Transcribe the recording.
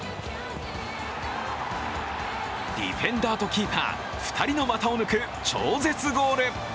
ディフェンダーとキーパー２人の股を抜く超絶ゴール。